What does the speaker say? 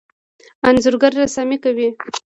انځورګر رسامي کوي.